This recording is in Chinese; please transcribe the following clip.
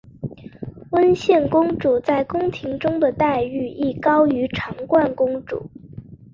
温宪公主在宫廷中的待遇亦高于惯常公主。